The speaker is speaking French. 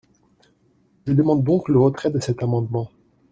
Je demande donc le retrait de cet amendement.